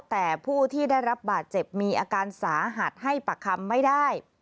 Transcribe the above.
แต่ผู้ที่ได้รับบาดเจ็บมีอาการสาหัสให้ปากคำไม่ได้